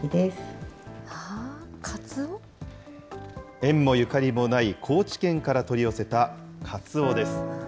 縁もゆかりもない高知県から取り寄せたカツオです。